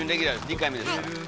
２回目ですから。